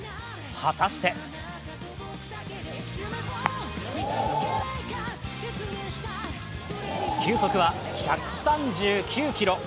果たして球速は１３９キロ。